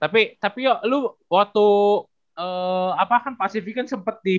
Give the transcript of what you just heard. tapi tapi yo lu waktu apa kan pacifican sempet di ini ya